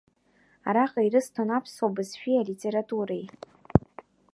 Араҟа ирысҭон аԥсуа бызшәеи алитературеи.